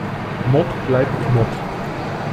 Mord bleibt Mord!